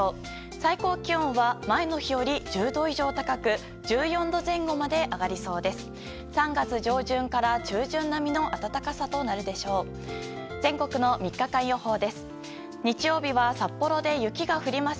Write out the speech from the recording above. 最高気温は前の日より１０度以上高く１４度前後まで上がりそうです。